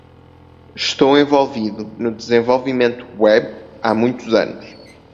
Estou envolvido no desenvolvimento web há muitos anos.